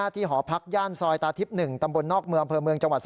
ที่หอพักย่านซอยตาทิศหนึ่งตำบลนอกเมือง